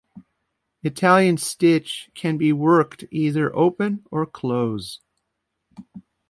Italian stitch can be worked either open or close.